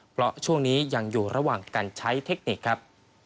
เพราะช่วงนี้ยังอยู่ระหว่างการใช้เทคนิคครับ